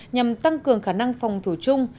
nhằm tăng cường khả năng phòng thủ chung